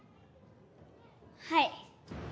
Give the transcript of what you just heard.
はい。